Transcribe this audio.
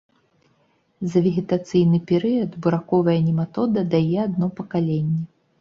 За вегетацыйны перыяд бураковая нематода дае адно пакаленне.